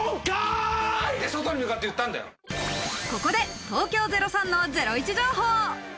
ここで東京０３のゼロイチ情報。